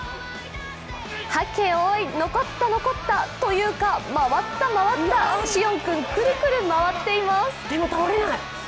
はっけよーい、のこった、のこったというか、回った回った、師園君くるくる回っています。